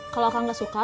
kalau aku gak suka